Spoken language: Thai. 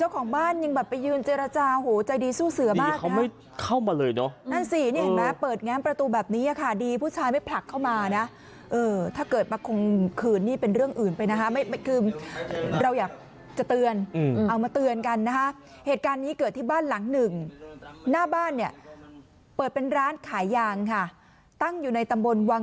คุณผู้หญิงที่เป็นเจ้าของบ้าน